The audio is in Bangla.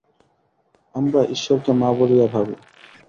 আমরা ঈশ্বরকে মা বলিয়া ভাবি।